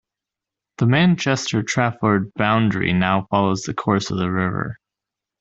The Manchester-Trafford boundary now follows the course of the river.